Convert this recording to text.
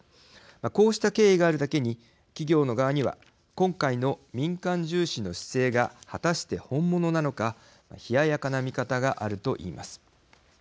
こうした経緯があるだけに企業の側には今回の民間重視の姿勢が果たして本物なのか冷ややかな見方があると言います。